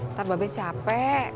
ntar mbak be capek